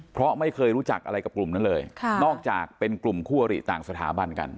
เพราะไม่เคยรู้จักอะไรกับกลุ่มนั้นเลยนอกจากเป็นกลุ่มคู่อริต่างสถาบันกัน